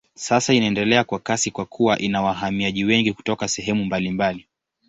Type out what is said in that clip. Sasa inaendelea kwa kasi kwa kuwa ina wahamiaji wengi kutoka sehemu mbalimbali.